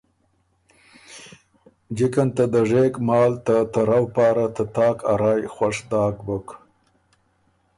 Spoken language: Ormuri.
جِکه ن ته دژېک مال ته ترؤ پاره ته تاک ا رایٛ خؤش داک بُک۔